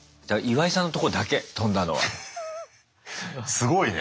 すごいね。